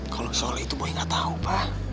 kalau soal itu boy nggak tahu pak